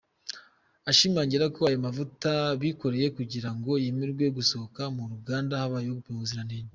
Ashimangira ko ayo mavuta bikoreye kugira ngo yemerwe gusohoka mu ruganda habayeho gupima ubuziranenge.